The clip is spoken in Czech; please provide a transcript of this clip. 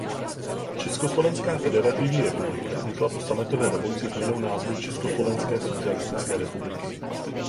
Československá federativní republika vznikla po sametové revoluci změnou názvu Československé socialistické republiky.